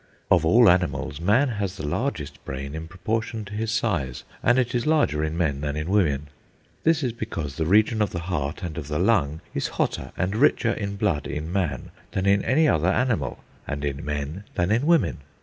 Of all animals man has the largest brain in proportion to his size: and it is larger in men than in women. This is because the region of the heart and of the lung is hotter and richer in blood in man than in any other animal; and in men than in women.